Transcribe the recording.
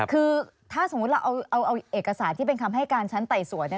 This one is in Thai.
คือถ้าสมมุติเราเอาเอกสารที่เป็นคำให้การชั้นไต่สวน